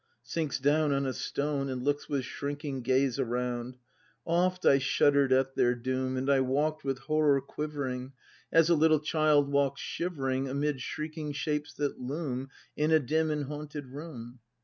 [Sinks down on a stone, and looks with shrinking gaze around.^ Oft I shudder'd at their doom; And I walk'd, with horror quivering, As a little child walks shivering Amid shrieking shapes that loom In a dim and haunted room.